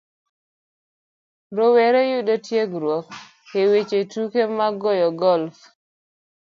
Rowere yudo tiegruok e weche tuke mag goyo golf